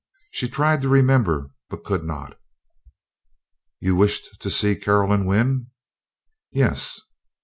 She tried to remember, but could not. "You wished to see Caroline Wynn?" "Yes."